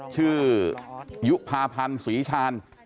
ชื่อยุภาพันธ์ศรีชาญ